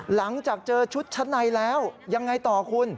หลังจากเจอชุดชั้นในแล้วยังไงต่อคุณ